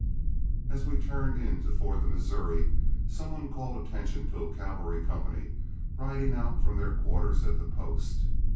As we turned in to ford the Missouri, some one called attention to a cavalry company riding out from their quarters at the post.